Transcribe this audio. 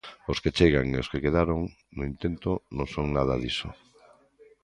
Os que chegan e os que quedaron no intento non son nada diso.